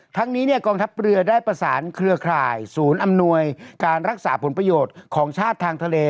ทั้งนี้กองทัพเรือได้ประสานเครือข่ายศูนย์อำนวยการรักษาผลประโยชน์ของชาติทางทะเล